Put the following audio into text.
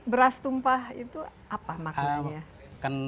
beras tumpah itu apa maknanya